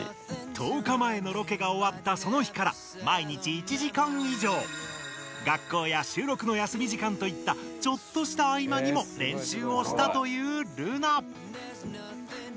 １０日前のロケがおわったその日から毎日１時間以上学校やしゅうろくの休み時間といったちょっとしたあいまにも練習をしたというルナ。